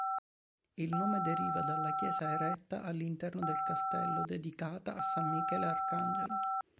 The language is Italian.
Il nome derivava dalla chiesa eretta all'interno del castello, dedicata a San Michele Arcangelo.